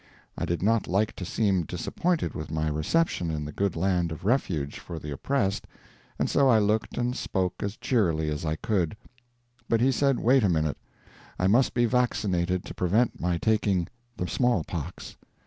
I did not like to seem disappointed with my reception in the good land of refuge for the oppressed, and so I looked and spoke as cheerily as I could. But he said, wait a minute I must be vaccinated to prevent my taking the small pox.